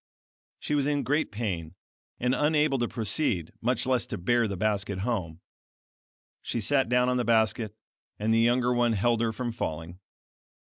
She was in great pain, and unable to proceed, much less to bear the basket home. She sat down on the basket, and the younger one held her from falling.